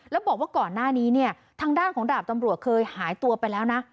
แล้วบอกว่าก่อนหน้านี้เนี่ยทางด้านของดาบตำรวจเคยหายตัวไปแล้วนะ